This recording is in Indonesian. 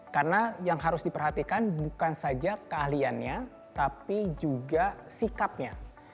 karena yang harus diperhatikan bukan saja keahliannya tapi juga sikapnya